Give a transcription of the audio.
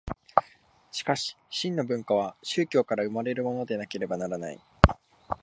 しかし真の文化は宗教から生まれるものでなければならない。